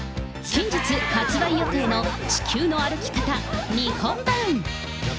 近日発売予定の地球の歩き方・日本版。